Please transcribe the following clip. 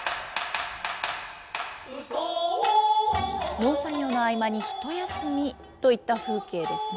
農作業の合間に一休みといった風景ですね。